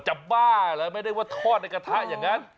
บ้าเหรอไม่ได้ว่าทอดในกระทะอย่างนั้น